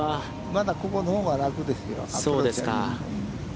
まだここのほうが楽ですよ。